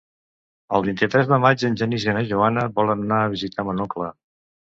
El vint-i-tres de maig en Genís i na Joana volen anar a visitar mon oncle.